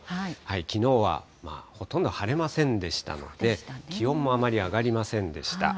きのうはほとんど晴れませんでしたので、気温もあまり上がりませんでした。